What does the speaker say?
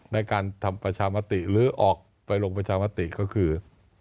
ในการทำประชามติหรือออกไปลงประชามติก็คือ